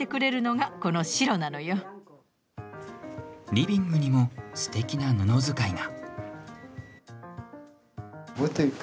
リビングにもすてきな布使いが。